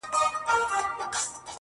اوس خو پوره تر دوو بـجــو ويــښ يـــم؛